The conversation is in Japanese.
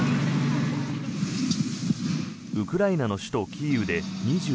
ウクライナの首都キーウで２６日